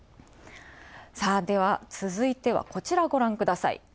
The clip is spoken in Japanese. では、続いては、こちらご覧ください。